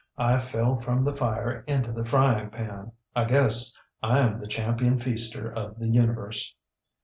I fell from the fire into the frying pan. I guess IŌĆÖm the Champion Feaster of the Universe.